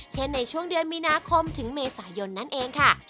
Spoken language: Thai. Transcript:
ในช่วงเดือนมีนาคมถึงเมษายนนั่นเองค่ะ